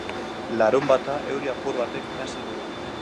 Larunbata euri apur batekin hasi dugu.